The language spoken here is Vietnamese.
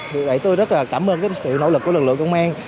vì vậy tôi rất là cảm ơn sự nỗ lực của lực lượng công an